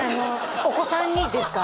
お子さんにですか？